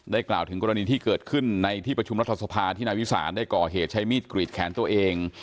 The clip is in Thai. กล่าวถึงกรณีที่เกิดขึ้นในที่ประชุมรัฐสภาที่นายวิสานได้ก่อเหตุใช้มีดกรีดแขนตัวเอง